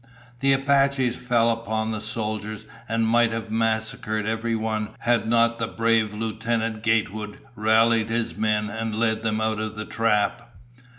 The Apaches fell upon the soldiers and might have massacred every one had not the brave Lieutenant Gatewood rallied his men and led them out of the trap.